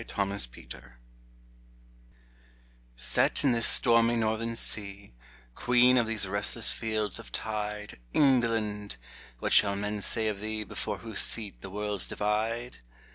[»5] AVE IMPERATRIX SET in this stormy Northern sea, Queen of these restless fields of tide, England ! what shall men say of thee, Before whose feet the worlds divide